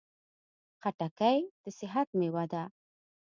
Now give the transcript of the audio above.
خټکی د صحت مېوه ده.